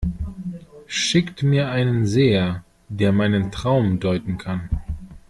Schickt mir einen Seher, der meinen Traum deuten kann!